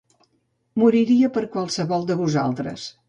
Moriria per qualsevol de vosaltres.